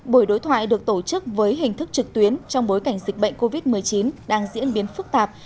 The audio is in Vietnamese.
buổi đối thoại được tổ chức với hình thức trực tuyến trong bối cảnh dịch bệnh covid một mươi chín đang diễn biến phức tạp